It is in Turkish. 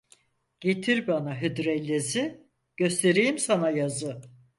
Getir bana hıdrellezi, göstereyim sana yazı.